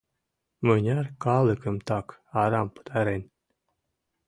— Мыняр калыкым так арам пытарен...